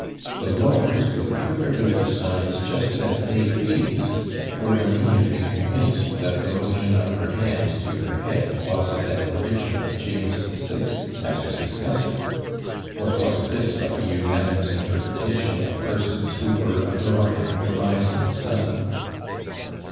The lords, who interpreted her signs just as they pleased, were immediately convinced that the motion of her hand to her head was a declaration of James the Sixth as her successor. What was this but the unanimous interpretation of persons who were adoring the rising sun?"